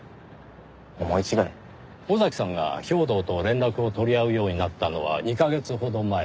尾崎さんが兵頭と連絡をとり合うようになったのは２カ月ほど前。